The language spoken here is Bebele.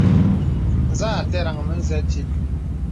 Zə à aterə̀ŋ mə̀zə tìt.